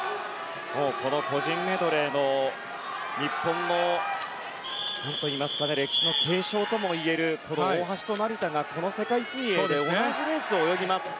この個人メドレーの日本の歴史の継承ともいえるこの大橋と成田がこの世界水泳で同じレースを泳ぎます。